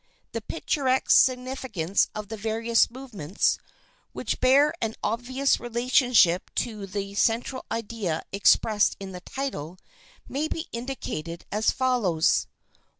The picturesque significance of the various movements, which bear an obvious relationship to the central idea expressed in the title, may be indicated as follows: I.